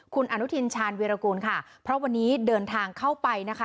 คุณอนุทินชาญวิรากูลค่ะเพราะวันนี้เดินทางเข้าไปนะคะ